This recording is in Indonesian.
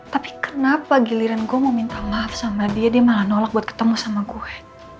tapi kenapa giliran gue mau minta maaf sama dia dia malah nolak buat ketemu sama gue